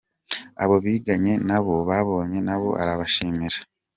Abo biganye nabo babanye nabo arabashimira.